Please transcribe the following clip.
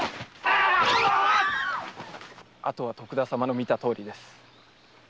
あとは徳田様の見たとおりです。